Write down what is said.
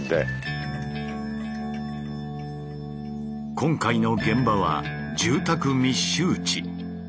今回の現場は住宅密集地。